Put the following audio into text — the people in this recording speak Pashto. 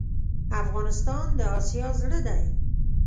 افغانستان دا اسیا زړه ډی